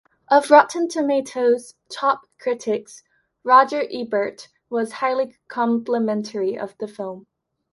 Of Rotten Tomatoes' "top critics", Roger Ebert was highly complimentary of the film.